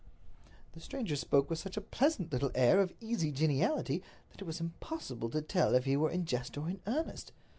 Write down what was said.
The stranger spoke with such a pleasant little air of easy geniality that it was impossible to tell if he were in jest or in earnest.